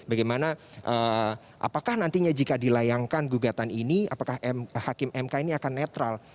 bagaimana apakah nantinya jika dilayangkan gugatan ini apakah hakim mk ini akan netral